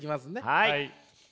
はい。